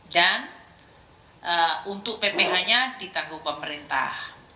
dan untuk pph nya ditangguh pemerintah